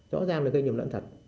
rõ ràng là gây nhầm lẫn thật